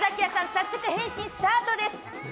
早速、変身スタートです！